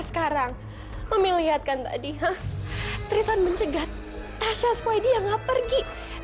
sekarang saatnya kita harus